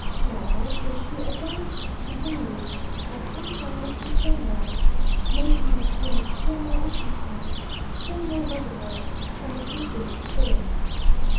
Rather did she advance it continually, like some triumphant general, making each unit still more interesting, still more lovable, than it had been before.